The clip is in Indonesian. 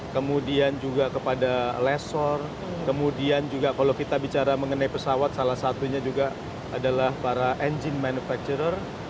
kemudian juga kepada lessor kemudian juga kalau kita bicara mengenai pesawat salah satunya juga adalah para engine manufacture